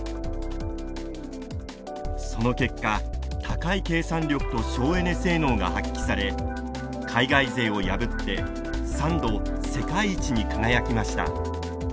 その結果高い計算力と省エネ性能が発揮され海外勢を破って３度世界一に輝きました。